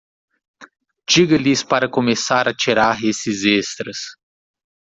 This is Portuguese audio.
Diga-lhes para começar a tirar esses extras.